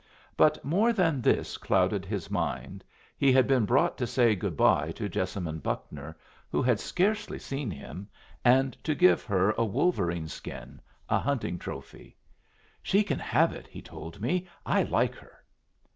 But more than this clouded his mind, he had been brought to say good bye to Jessamine Buckner, who had scarcely seen him, and to give her a wolverene skin, a hunting trophy. "She can have it," he told me. "I like her."